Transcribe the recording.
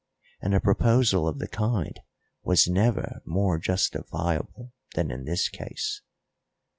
And a proposal of the kind was never more justifiable than in this case.